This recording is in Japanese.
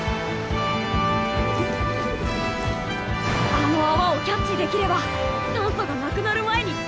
あの泡をキャッチできれば酸素がなくなる前にきっと戻れる！